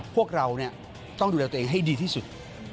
พวกเราต้องดูแลตัวเองให้ดีที่สุด